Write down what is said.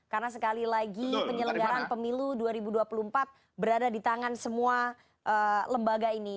karena sekali lagi penyelenggaran pemilu dua ribu dua puluh empat berada di tangan semua lembaga ini